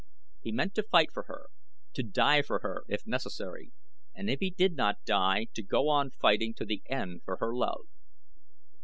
He meant to fight for her to die for her, if necessary and if he did not die to go on fighting to the end for her love.